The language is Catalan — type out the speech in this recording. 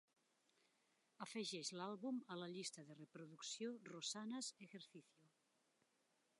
Afegeix l'àlbum a la llista de reproducció "rosanna's ejercicio".